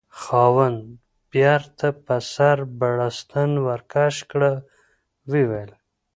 خاوند: بیرته په سر بړستن ورکش کړه، ویې ویل: